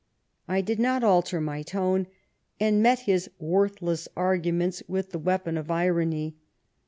I did not alter my tone, and met his worthless arguments with the weapon of irony.